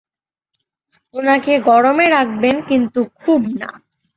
উনাকে গরমে রাখবেন, কিন্তু খুব না।